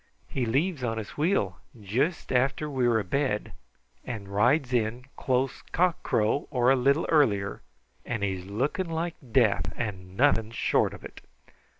He leaves on his wheel juist after we're abed and rides in close cock crow or a little earlier, and he's looking like death and nothing short of it."